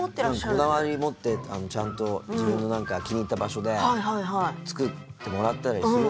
こだわり持ってちゃんと自分の気に入った場所で作ってもらったりするんです。